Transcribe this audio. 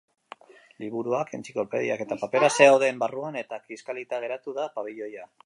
Liburuak, entziklopediak eta papera zauden barruan, eta kiskalita geratu da pabiloia.